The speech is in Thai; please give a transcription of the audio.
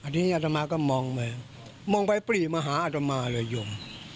อันนี้อัตมาก็มองไปมองไปปรีมาหาอัตมาเลยยม